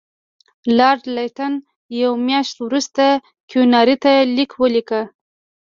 لارډ لیټن یوه میاشت وروسته کیوناري ته لیک ولیکه.